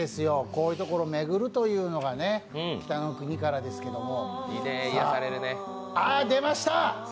こういうところを巡るというのが「北の国から」ですけど出ました！